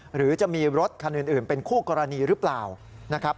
หรือจะมีรถคันอื่นเป็นคู่กรณีหรือเปล่านะครับ